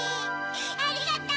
ありがとう！